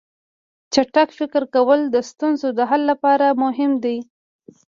چټک فکر کول د ستونزو د حل لپاره مهم دي.